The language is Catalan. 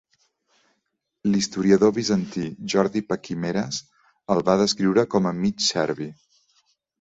L'historiador bizantí, Jordi Paquimeres, el va descriure com a "mig serbi".